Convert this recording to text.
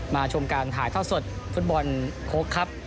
ชมการถ่ายเท่าสดฟุตบอลโค้กครับ